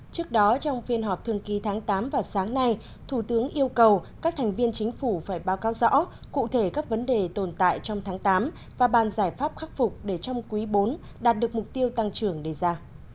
trước đó trong phiên họp thường kỳ tháng tám và sáng nay thủ tướng yêu cầu các thành viên chính phủ phải báo cáo rõ cụ thể các vấn đề tồn tại trong tháng tám và bàn giải pháp khắc phục để trong quý bốn đạt được mục tiêu tăng trưởng đề ra